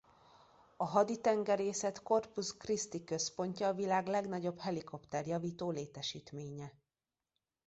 A Haditengerészet Corpus Christi-i központja a világ legnagyobb helikopter-javító létesítménye.